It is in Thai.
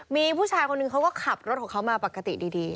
มีผู้ชายคนนึงเขาก็ขับรถของเขามาปกติดี